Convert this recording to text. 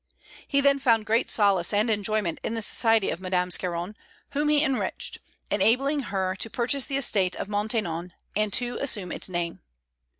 He then found great solace and enjoyment in the society of Madame Scarron, whom he enriched, enabling her to purchase the estate of Maintenon and to assume its name.